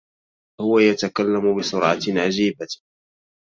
هو يتكلم بسرعةٍ عجيبة.